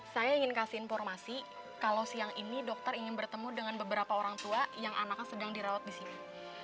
saya ingin kasih informasi kalau siang ini dokter ingin bertemu dengan beberapa orang tua yang anaknya sedang dirawat di sini